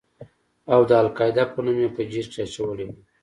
او د القاعده په نوم يې په جېل کښې اچولى و.